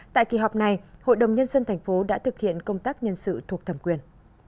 tại kỳ họp này hội đồng nhân dân thành phố đã thực hiện công tác nhân sự thuộc thẩm quyền